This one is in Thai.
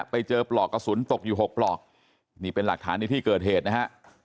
ปลอกกระสุนตกอยู่๖ปลอกนี่เป็นหลักฐานในที่เกิดเหตุนะฮะ